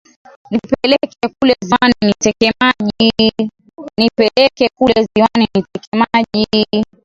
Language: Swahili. Nipeleke kule ziwani niteke maji.